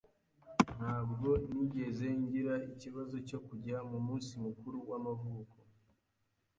Ntabwo nigeze ngira ikibazo cyo kujya mu munsi mukuru w'amavuko.